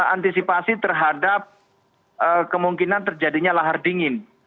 antisipasi terhadap kemungkinan terjadinya lahar dingin